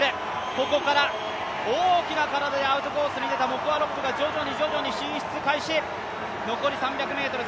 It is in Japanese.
ここから大きな体でアウトコースに出たモコ・アロップが徐々に徐々に進出開始。